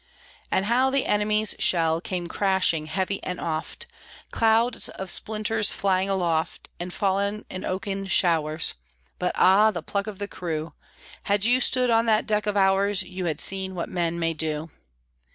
And how the enemy's shell Came crashing, heavy and oft, Clouds of splinters flying aloft And falling in oaken showers; But ah, the pluck of the crew! Had you stood on that deck of ours, You had seen what men may do.